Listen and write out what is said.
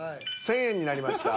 １、０００円になりました。